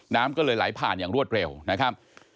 น้ำก็เลยไหลผ่านอย่างรวดเร็วนะครับ